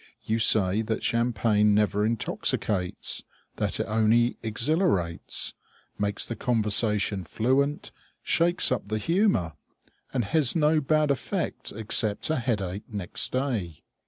You say that champagne never intoxicates; that it only exhilarates, makes the conversation fluent, shakes up the humor, and has no bad effect except a headache next day.